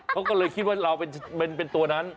เขาก็เลยคิดว่าเราเป็นตัวนั้น